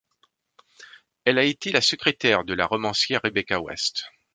Elle a été la secrétaire de la romancière Rebecca West.